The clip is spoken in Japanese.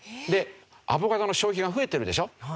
でアボカドの消費が増えているでしょ？